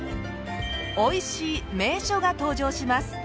おいしい名所が登場します。